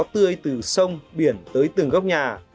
từ sông biển tới từng góc nhà